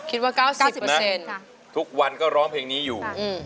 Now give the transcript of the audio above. คิดว่า๙๐เปอร์เซ็นต์ทุกวันก็ร้องเพลงนี้อยู่